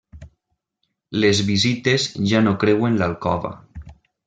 Les visites ja no creuen l’alcova.